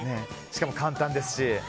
しかも簡単ですし。